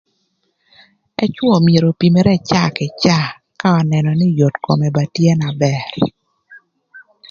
Ëcwö mïtö opimere ï caa kï caa ka önënö nï yot kome ba tye na bër.